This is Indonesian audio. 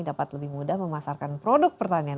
dapat lebih mudah memasarkan produk pertanian